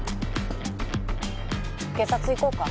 警察行こうか。